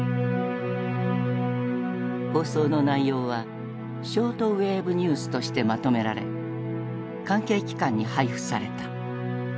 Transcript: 放送の内容は「ショートウェーブニュース」としてまとめられ関係機関に配布された。